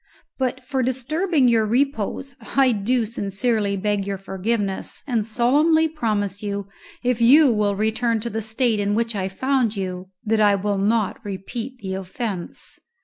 But for disturbing your repose I do sincerely beg your forgiveness, and solemnly promise you, if you will return to the state in which I found you, that I will not repeat the offence."